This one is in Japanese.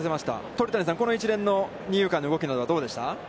鳥谷さん、この一連の二遊間の動きはどうでしたか。